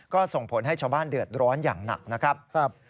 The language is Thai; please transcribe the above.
ก็ส่งผลให้ชาวบ้านเดือดร้อนอย่างหนักนะครับ